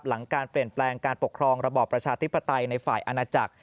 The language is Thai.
หลังการเปลี่ยนแปลงการปกครองระบอบประชาธิปไตยในฝ่ายอาณาจักร